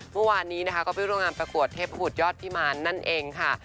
เมื่อวานนี้นะคะก็ไปร่วมงานประกวดเทพบุตรยอดพิมารนั่นเองค่ะ